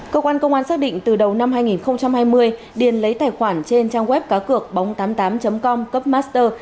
cơ quan công an xác định từ đầu năm hai nghìn hai mươi điền lấy tài khoản trên trang web cá cược bóng tám mươi tám com cấp master